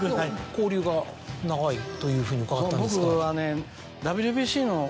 交流が長いというふうに伺ったんですけど。